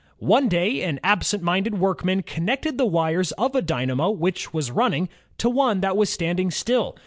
One day an absent minded workman connected the wires of a dynamo which was running, to one that was standing still.